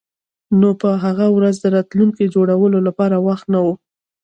نو په هغه ورځ د راتلونکي جوړولو لپاره وخت نه و